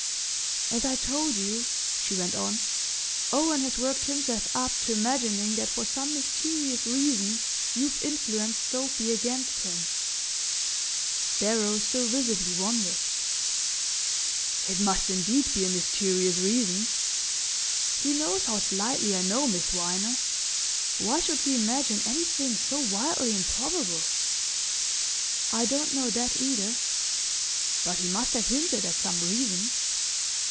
"As I told you," she went on, "Owen has worked himself up to imagining that for some mysterious reason you've influenced Sophy against him." Darrow still visibly wondered. "It must indeed be a mysterious reason! He knows how slightly I know Miss Viner. Why should he imagine anything so wildly improbable?" "I don't know that either." "But he must have hinted at some reason."